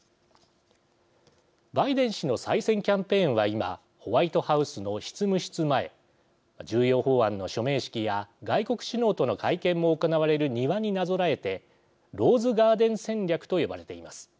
バイデン氏の再選キャンペーンは今ホワイトハウスの執務室前重要法案の署名式や外国首脳との会見も行われる庭になぞらえてローズガーデン戦略と呼ばれています。